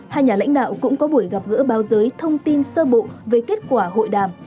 hai nhà lãnh đạo cũng có buổi gặp gỡ báo giới thông tin sơ bộ về kết quả hội đàm